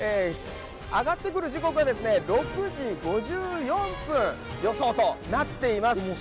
上がってくる時刻は６時５４分予想となっています。